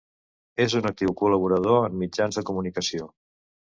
És un actiu col·laborador en mitjans de comunicació.